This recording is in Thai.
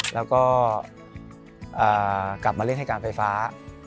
แล้วก็กลับมาเล่นให้การไฟฟ้า